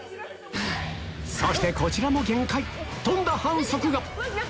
そしてこちらも限界とんだ反則が！